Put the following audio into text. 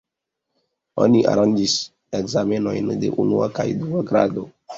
Oni aranĝis ekzamenojn de unua kaj dua grado.